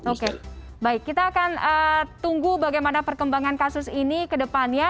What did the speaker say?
oke baik kita akan tunggu bagaimana perkembangan kasus ini ke depannya